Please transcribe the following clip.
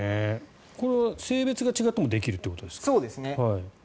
これは性別が違ってもできるってことですか。